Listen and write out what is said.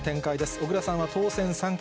小倉さんは当選３回。